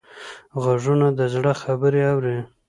غوږونه د زړه خبرې اوري